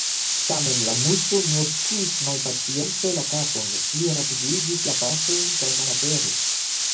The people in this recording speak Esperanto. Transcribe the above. Tamen la Muso nur skuis malpacience la kapon, plirapidigis la paŝojn, kaj malaperis.